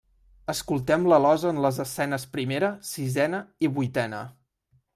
Escoltem l'alosa en les escenes primera, sisena i vuitena.